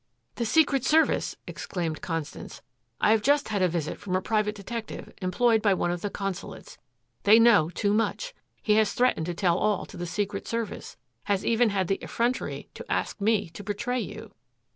"The Secret Service!" exclaimed Constance. "I have just had a visit from a private detective employed by one of the consulates. They know too much. He has threatened to tell all to the Secret Service, has even had the effrontery to ask me to betray you."